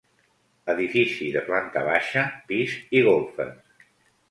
Edifici de planta baixa, pis i golfes.